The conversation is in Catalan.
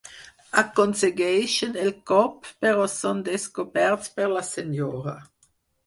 Aconsegueixen el cop, però són descoberts per la senyora.